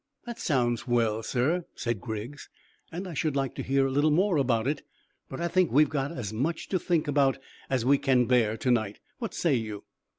"That sounds well, sir," said Griggs, "and I should like to hear a little more about it, but I think we've got as much to think about as we can bear to night. What say you?"